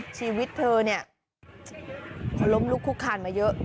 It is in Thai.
ชีวิตเธอเนี่ยพอล้มลุกคุกคานมาเยอะ